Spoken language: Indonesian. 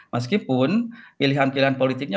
meskipun pilihan pilihan politiknya